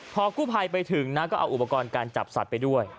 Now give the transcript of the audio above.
พอกู้ภัยไปถึงนะก็เอาอุปกรณ์การจับสัตว์ไปด้วย